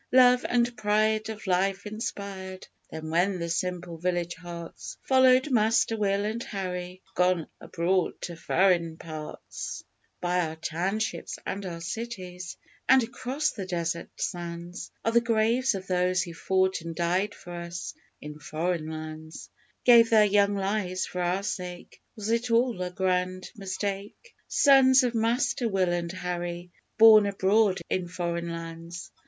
Love and pride of life inspired them when the simple village hearts Followed Master Will and Harry gone abroad to 'furrin parts' By our townships and our cities, and across the desert sands Are the graves of those who fought and died for us in Foreign Lands Gave their young lives for our sake (Was it all a grand mistake?) Sons of Master Will and Harry born abroad in Foreign Lands!